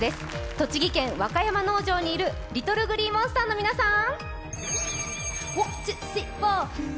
栃木県若山農場にいるＬｉｔｔｌｅＧｌｅｅＭｏｎｓｔｅｒの皆さん！